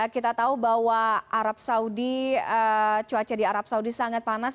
kita tahu bahwa arab saudi cuaca di arab saudi sangat panas